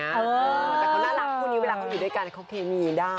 แต่เขาน่ารักคู่นี้เวลาเขาอยู่ด้วยกันเขาเคมีได้